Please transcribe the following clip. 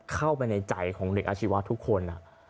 เข้าไปในใจของเด็กอาชีวะทุกคน